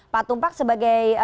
pak tumpak sebagai